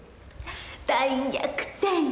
大逆転。